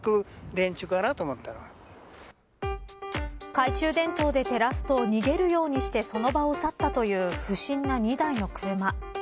懐中電灯で照らすと逃げるようにしてその場を去ったという不審な２台の車。